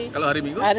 kalau hari minggu